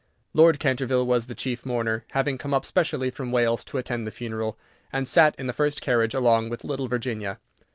Lord Canterville was the chief mourner, having come up specially from Wales to attend the funeral, and sat in the first carriage along with little Virginia.